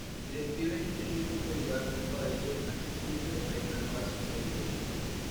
Y describen este mítico lugar como un paraíso inaccesible, reino de paz y sabiduría.